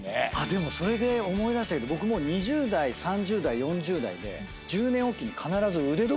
でもそれで思い出したけど僕も２０代３０代４０代で１０年置きに必ず腕時計買ってるんですよ。